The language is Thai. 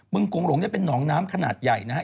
กงหลงเนี่ยเป็นหนองน้ำขนาดใหญ่นะฮะ